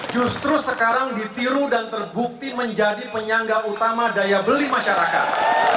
justru sekarang ditiru dan terbukti menjadi penyangga utama daya beli masyarakat